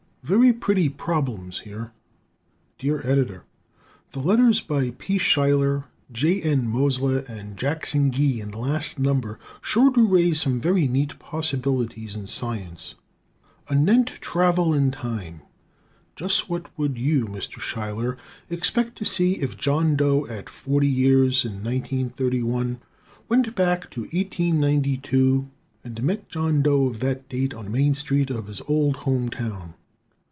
"Very Pretty Problems Here" Dear Editor: The letters by P. Schuyler, J. N. Mosleh, and Jackson Gee in the last number sure do raise some very neat possibilities in Science. Anent travel in time, just what would you, Mr. Schuyler, expect to see if "John Doe" at 40 years (1931) went back to 1892 and met "John Doe" of that date on Main Street of his old home town?